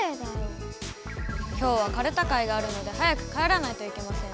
今日はかるた会があるので早く帰らないといけません。